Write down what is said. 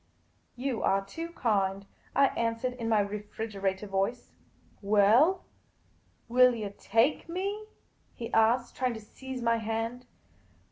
" You are too kind," I answered, in my refrigerator voice. " Well, will you take me ?" he asked, trying to seize my hand.